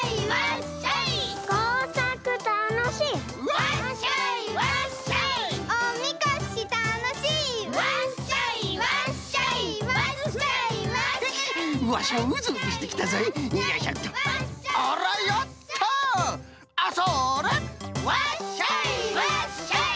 わっしょいわっしょい！